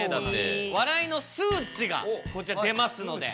笑いの数値がこちら出ますので。